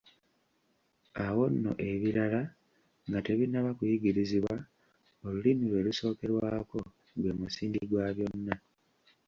Awo nno ebirala nga tebinnaba kuyigirizibwa, olulimi lwe lusookerwako, gwe musingi gwa byonna.